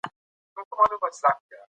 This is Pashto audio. د سالمې کورنۍ د مور په پوهه قوي کیږي.